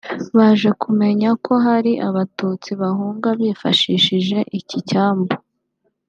Baje kumenya ko hari Abatutsi bahunga bifashishije iki cyambu